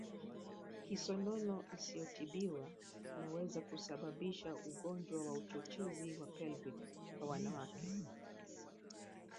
Kisonono isiyotibiwa inaweza kusababisha ugonjwa wa uchochezi wa Pelvic kwa wanawake